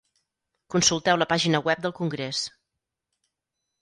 Consulteu la pàgina web del Congrés.